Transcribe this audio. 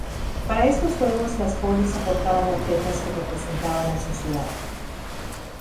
Para estos juegos las polis aportaban atletas que representaban a su ciudad.